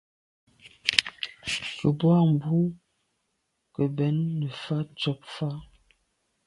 Nku boa mbu ke bèn nefà’ tshob fà’.